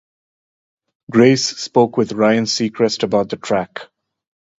Grace spoke with Ryan Seacrest about the track.